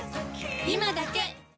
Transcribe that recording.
今だけ！